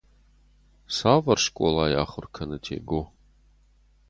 Цавӕр скъолайы ахуыр кӕны Тего?